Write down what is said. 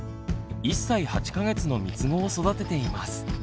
１歳８か月のみつごを育てています。